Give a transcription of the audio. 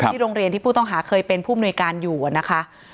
โรงเรียนที่ผู้ต้องหาเคยเป็นผู้มนุยการอยู่นะคะ